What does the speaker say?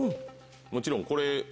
もちろんこれ。